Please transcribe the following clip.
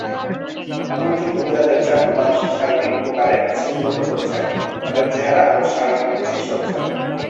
বইটি মহিলাদের চারটি মানসিক-শারীরিক প্রকারে শ্রেণীবদ্ধ করেছে, তাদের চেহারা ও শারীরিক বৈশিষ্ট্য অনুসারে।